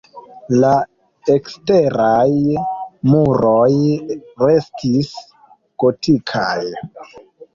La eksteraj muroj restis gotikaj.